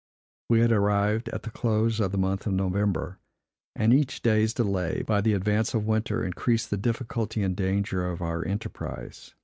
We had arrived at the close of the month of November; and each day's delay, by the advance of winter, increased the difficulty and danger of our enterprise.